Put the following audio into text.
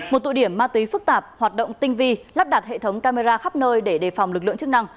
một tụ điểm ma túy phức tạp hoạt động tinh vi lắp đặt hệ thống camera khắp nơi để đề phòng lực lượng chức năng